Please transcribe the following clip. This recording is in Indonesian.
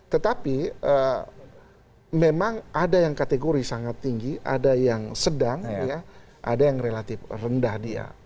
tetapi memang ada yang kategori sangat tinggi ada yang sedang ada yang relatif rendah dia